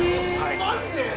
マジで！？